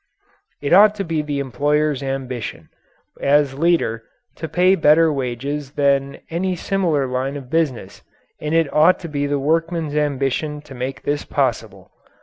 It ought to be the employer's ambition, as leader, to pay better wages than any similar line of business, and it ought to be the workman's ambition to make this possible.